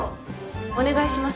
お願いします。